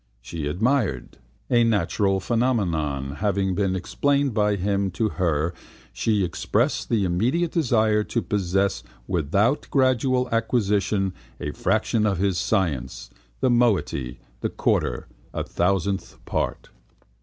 She admired: a natural phenomenon having been explained by him to her she expressed the immediate desire to possess without gradual acquisition a fraction of his science, the moiety, the quarter, a thousandth part.